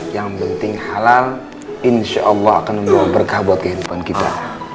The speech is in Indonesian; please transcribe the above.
yang penting halal insya allah akan membawa berkah buat kehidupan kita